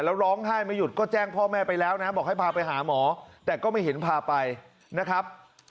แล้วร้องไห้ไม่หยุดก็แจ้งพ่อแม่ไปแล้วนะบอกให้พาไปหาหมอแต่ก็ไม่เห็นพาไปนะครับ